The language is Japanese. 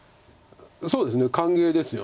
そうですね歓迎ですよね。